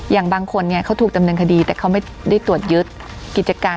อย่างบางคนเนี่ยเขาถูกดำเนินคดีแต่เขาไม่ได้ตรวจยึดกิจการ